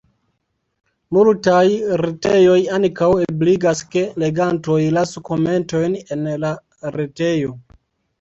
Multaj retejoj ankaŭ ebligas ke legantoj lasu komentojn en la retejo.